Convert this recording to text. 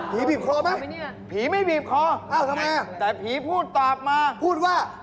ผีบีบคอไหมผีไม่บีบคอแต่ผีพูดตอบมาพูดว่า